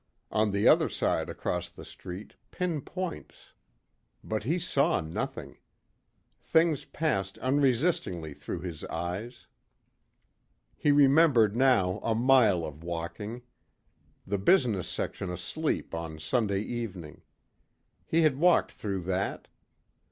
On the other side across the street, pin points. But he saw nothing. Things passed unresistingly through his eyes. He remembered now a mile of walking. The business section asleep on Sunday evening. He had walked through that.